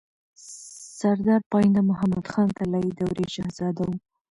سردار پاينده محمد خان طلايي دورې شهزاده وو